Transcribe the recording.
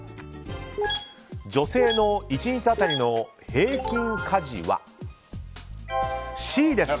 女性の１日当たりの平均家事はＣです。